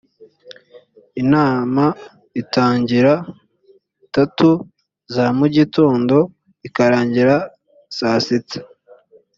inama itangira tatu za mu gitondo ikarangira saa sita